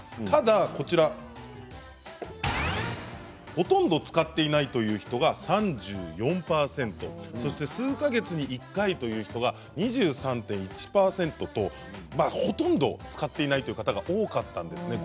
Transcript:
ただ、ほとんど使っていないという人は３４％数か月に１回という人が２３．１％とほとんど使っていないという方が多かったんです。